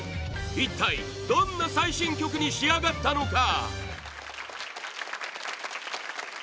一体どんな最新曲に仕上がったのか？